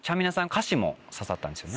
歌詞も刺さったんですよね。